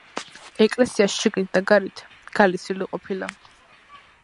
ეკლესია შიგნით და გარეთ გალესილი ყოფილა.